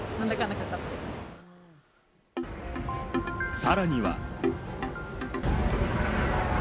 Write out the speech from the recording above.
さらには。